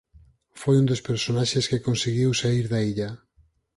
Foi un dos personaxes que conseguiu saír da illa.